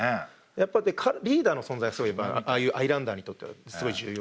やっぱリーダーの存在ああいうアイランダーにとってはすごい重要で。